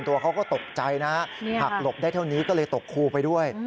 ตัวเขาก็ตกใจนะฮะหักหลบได้เท่านี้ก็เลยตกคูไปด้วย